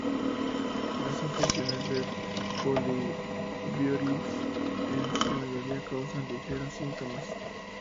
Las infecciones de poliovirus en su mayoría causan ligeros síntomas.